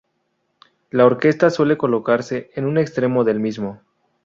La orquesta suele colocarse en un extremo del mismo.